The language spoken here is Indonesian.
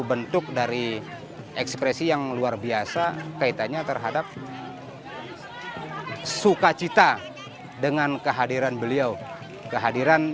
bentuk dari ekspresi yang luar biasa kaitannya terhadap sukacita dengan kehadiran beliau kehadiran